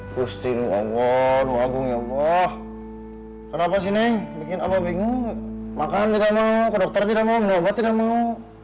pusti luagung luagung ya allah kenapa sih neng bikin aku bingung makan tidak mau ke dokter tidak mau minum obat tidak mau